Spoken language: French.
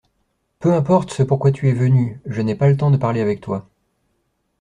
Peu importe ce pourquoi tu es venu, je n’ai pas le temps de parler avec toi.